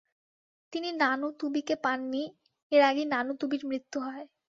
তিনি নানুতুবিকে পান নি, এর আগেই নানুতুবির মৃত্যু হয়।